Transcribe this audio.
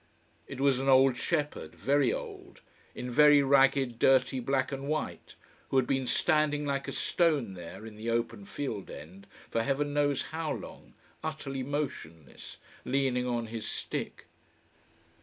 It was an old shepherd, very old, in very ragged dirty black and white, who had been standing like a stone there in the open field end for heaven knows how long, utterly motionless, leaning on his stick.